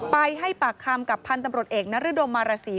ไปให้ปากคำกับพันธุ์ตำรวจเอกนรดมมารสี